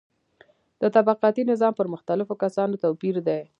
د طبقاتي نظام پر مختلفو کسانو توپیر دی.